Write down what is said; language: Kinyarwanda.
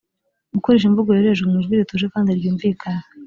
gukoresha imvugo yoroheje mu ijwi rituje kandi ryumvikana